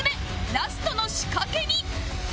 ラストの仕掛けに